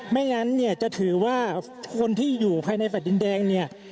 ไม่งั้นจะถือว่าคนที่อยู่ภายในแฝดดินแดง